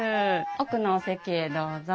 奥のお席へどうぞ。